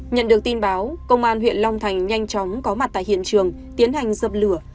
nhận được tin báo công an huyện long thành nhanh chóng có mặt tại hiện trường tiến hành dập lửa